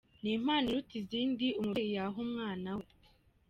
Ni impano iruta izindi umubyeyi yaha umwana we.